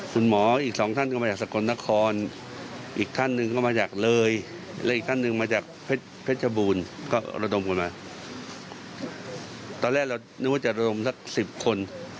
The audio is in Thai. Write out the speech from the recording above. ตอนแรกเรานึกว่าจะระดมสัก๑๐คน